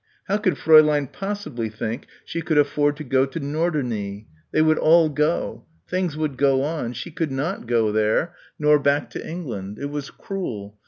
How could Fräulein possibly think she could afford to go to Norderney? They would all go. Things would go on. She could not go there nor back to England. It was cruel